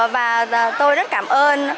và tôi rất cảm ơn